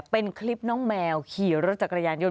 เป็นคลิปน้องแมวขี่รถจักรยานยนต